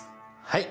はい。